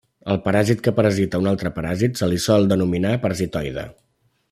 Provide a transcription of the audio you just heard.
Al paràsit que parasita a un altre paràsit se li sol denominar parasitoide.